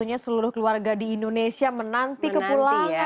sebetulnya seluruh keluarga di indonesia menanti kepulangan ya